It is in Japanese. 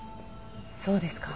そうですか。